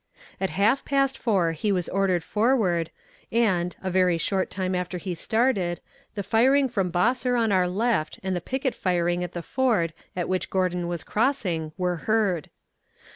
At half past four he was ordered forward, and, a very short time after he started, the firing from Bosser on our left and the picket firing at the ford at which Gordon was crossing were heard.